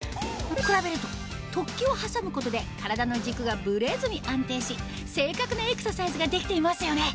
比べると突起を挟むことで体の軸がブレずに安定し正確なエクササイズができていますよね